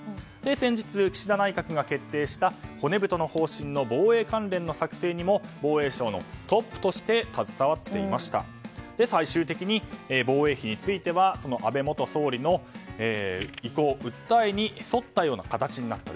先日、岸田内閣が決定した骨太の方針の防衛関連の作成にも防衛省のトップとして携わっていて最終的に防衛費について安倍元総理の意向、訴えに沿った形になった。